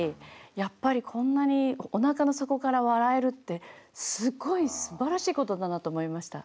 やっぱりこんなにおなかの底から笑えるってすごいすばらしいことだなと思いました。